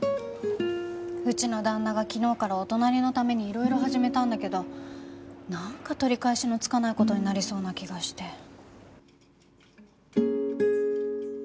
うちの旦那が昨日からお隣のためにいろいろ始めたんだけどなんか取り返しのつかない事になりそうな気がして。